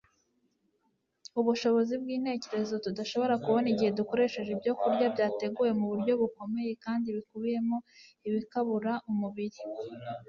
ubushobozi bw'intekerezo tudashobora kubona igihe dukoresheje ibyokurya byateguwe mu buryo bukomeye kandi bikubiyemo ibikabura umubiri